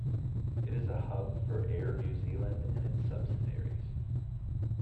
It is a hub for Air New Zealand and its subsidiaries.